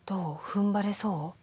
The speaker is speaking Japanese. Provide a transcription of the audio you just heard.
ふんばれそう？